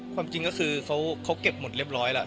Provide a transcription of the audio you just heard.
ความจริงก็คือเขาเก็บหมดเรียบร้อยแล้ว